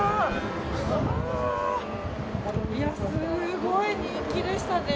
すごい人気でしたね。